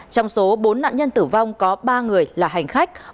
trong số bốn nạn nhân tử vong có ba người là hành khách